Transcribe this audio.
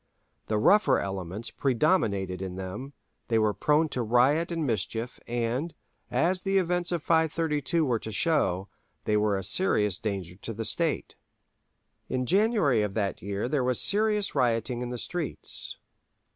The rougher elements pre dominated in them; they were prone to riot and mischief, and, as the events of 532 were to show, they were a serious danger to the State. In January of that year there was serious rioting in the streets.